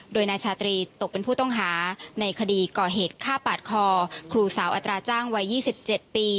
โดยนายชาตรีตกเป็นผู้ต้องหาในคดีก่อเหตุฆ่าปาดคอครูสาวอัตราจ้างวัย๒๗ปี